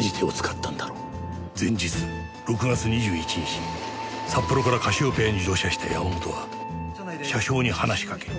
前日６月２１日札幌からカシオぺアに乗車した山本は車掌に話しかけ。